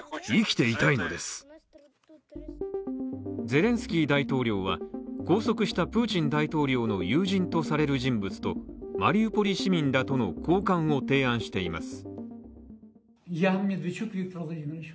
ゼレンスキー大統領は拘束したプーチン大統領の友人とされる人物とマリウポリ市民らとの交換を提案しています。